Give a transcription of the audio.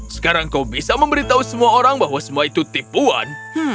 sekarang kau bisa memberitahu semua orang bahwa semua itu tipuan